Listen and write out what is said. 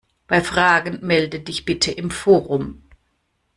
Bei Fragen melde dich bitte im Forum!